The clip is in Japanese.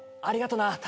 ありがとな。